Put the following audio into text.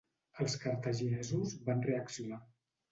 Els cartaginesos van reaccionar.